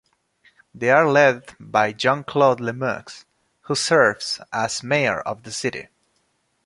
They are led by Jean-Claude LeMieux, who serves as mayor of the city.